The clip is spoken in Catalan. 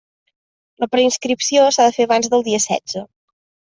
La preinscripció s'ha de fer abans del dia setze.